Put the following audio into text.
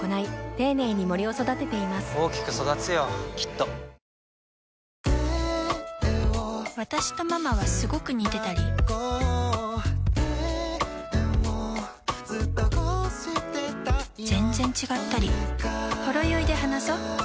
丁寧に森を育てています大きく育つよきっと私とママはスゴく似てたり全然違ったり・はいいらっしゃいませ！